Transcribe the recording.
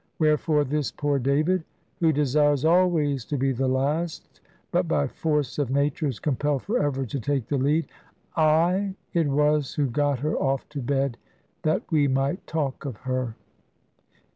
Wherefore this poor David, who desires always to be the last, but by force of nature is compelled for ever to take the lead I it was who got her off to bed, that we might talk of her.